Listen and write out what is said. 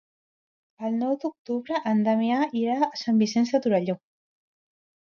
El nou d'octubre en Damià irà a Sant Vicenç de Torelló.